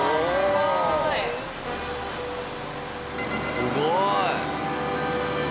すごい！